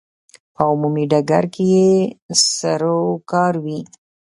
په عمومي ډګر کې یې سروکار وي.